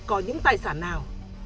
có những tài sản nào